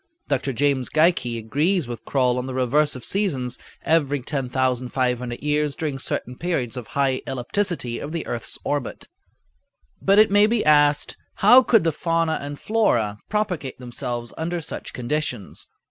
Dr. James Geikie agrees with Croll on the reverse of seasons every 10,500 years during certain periods of high ellipticity of the earth's orbit. But it may be asked, "How could the fauna and flora propagate themselves under such conditions?"